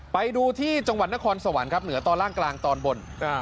ไปดูที่จังหวัดนครสวรรค์ครับเหนือตอนล่างกลางตอนบน